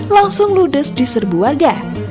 langsung ludes di serbu warga